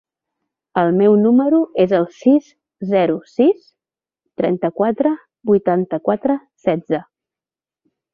El meu número es el sis, zero, sis, trenta-quatre, vuitanta-quatre, setze.